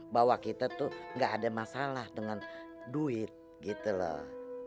bahwa kita tuh gak ada masalah dengan duit gitu loh